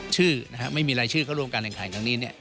ชื่อไม่มีอะไรชื่อเข้าร่วมการแข่งขัน